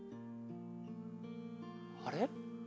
あれ？